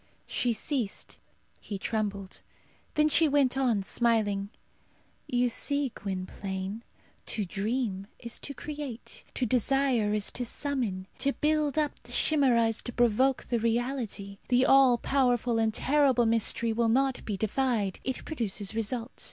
She ceased; he trembled. Then she went on, smiling, "You see, Gwynplaine, to dream is to create; to desire is to summon. To build up the chimera is to provoke the reality. The all powerful and terrible mystery will not be defied. It produces result.